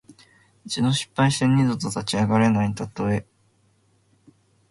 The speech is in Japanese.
一度失敗して二度と立ち上がれないたとえ。「蹶」はつまずく意。